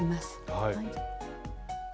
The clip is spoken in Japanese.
はい。